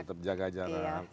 tetap jaga jarak